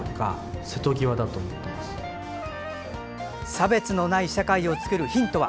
差別のない社会を作るヒントは。